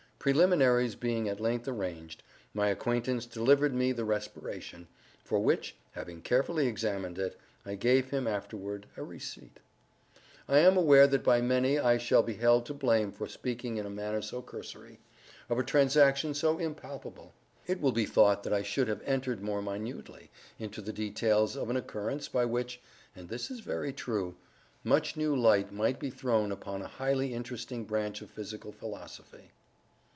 Preliminaries being at length arranged, my acquaintance delivered me the respiration; for which (having carefully examined it) I gave him afterward a receipt. I am aware that by many I shall be held to blame for speaking in a manner so cursory, of a transaction so impalpable. It will be thought that I should have entered more minutely, into the details of an occurrence by which—and this is very true—much new light might be thrown upon a highly interesting branch of physical philosophy.